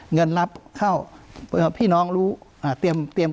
เงินรับเข้าพี่น้องรู้เตรียม